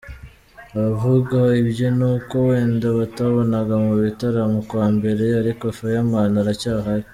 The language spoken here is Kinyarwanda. Abavuga ibyo ni uko wenda batambonaga mu bitaramo nka mbere ariko Fireman aracyahari”.